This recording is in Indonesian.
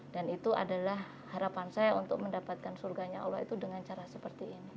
dan itu adalah harapan saya untuk mendapatkan surganya allah itu dengan cara seperti ini